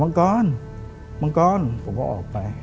มังก้อนมังก้อนผมก็ออกไป